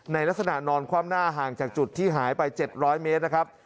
ในลักษณะนอนคว่ำหน้าห่างจากจุดที่หายไป๗๐๐เมตรนะครับ